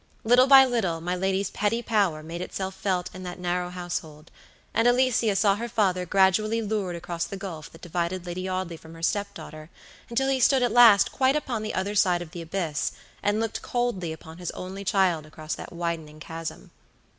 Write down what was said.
Little by little my lady's petty power made itself felt in that narrow household; and Alicia saw her father gradually lured across the gulf that divided Lady Audley from her step daughter, until he stood at last quite upon the other side of the abyss, and looked coldly upon his only child across that widening chasm.